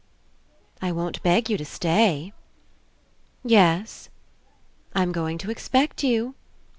... I won't beg you to stay. ... Yes. ... I'm going to expect you